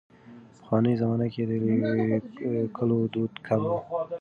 پخوانۍ زمانه کې د لیکلو دود کم و.